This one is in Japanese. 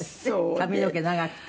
髪の毛長くて。